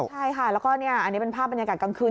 ใช่ค่ะแล้วก็อันนี้เป็นภาพบรรยากาศกลางคืน